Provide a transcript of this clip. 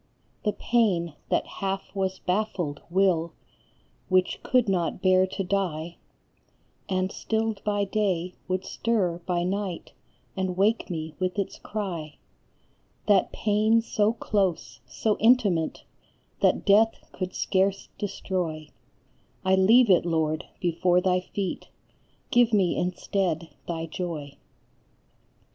The pain, that half was baffled will, which could not bear to die, And, stilled by day, would stir by night and wake me with its cry, That pain so close, so intimate, that Death could scarce destroy, 1 leave it, Lord, before thy feet ; give me instead thy joy.